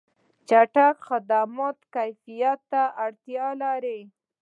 چټک خدمات کیفیت ته اړتیا لري.